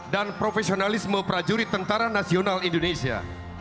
dan profesionalisme prajurit tentara nasional indonesia